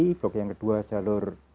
blok yang kedua jalur